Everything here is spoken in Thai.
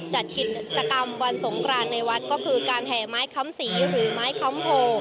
จัดกิจกรรมวันสงกรานในวัดก็คือการแห่ไม้คำสีหรือไม้ค้ำโพ